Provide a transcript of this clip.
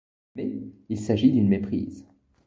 Mais il s'agit d'une méprise.